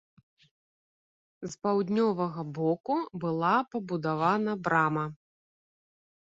З паўднёвага боку была пабудавана брама.